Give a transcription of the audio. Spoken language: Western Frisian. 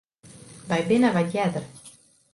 Wy binne wat earder.